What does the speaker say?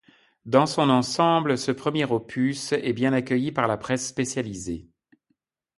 Dans son ensemble, ce premier opus est bien accueilli par la presse spécialisée.